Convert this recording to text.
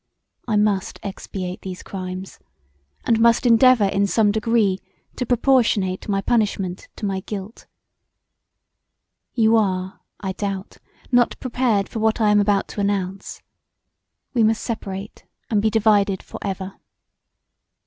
I must expiate these crimes, and must endeavour in some degree to proportionate my punishment to my guilt. You are I doubt not prepared for what I am about to announce; we must seperate and be divided for ever.